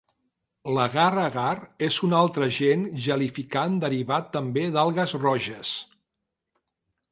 L'agar-agar és un altre agent gelificant derivat també d'algues roges.